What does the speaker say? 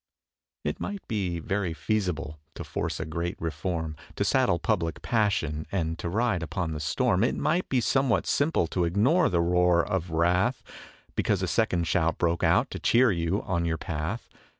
It might be very feasible to force a great reform, To saddle public passion and to ride upon the storm; It might be somewhat simple to ignore the roar of wrath, Because a second shout broke out to cheer you on your path.